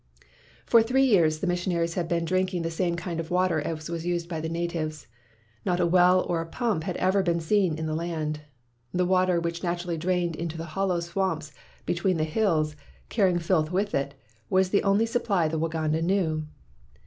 For three years the missionaries had been drinking the same kind of water as was used by the natives. Not a well or a pump had ever been seen in the land. The water which naturally drained into the hollow swamps between the hills, carrying filth 175 WHITE MAN OF WORK with it, was the only supply the Waganda knew.